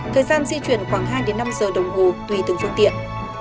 thời gian di chuyển khoảng hai năm giờ đồng hồ tùy từng phương tiện